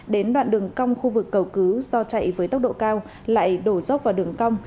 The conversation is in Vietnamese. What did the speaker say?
đến đoạn đường cong khu vực cầu cứu do chạy với tốc độ cao lại đổ dốc vào đường cong